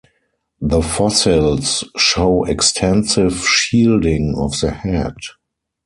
The fossils show extensive shielding of the head.